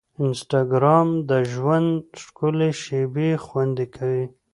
انسټاګرام د ژوند ښکلي شېبې خوندي کوي.